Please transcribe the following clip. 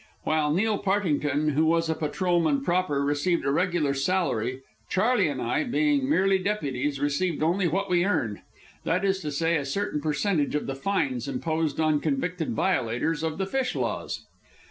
While Neil Partington, who was a patrolman proper, received a regular salary, Charley and I, being merely deputies, received only what we earned that is to say, a certain percentage of the fines imposed on convicted violators of the fish laws.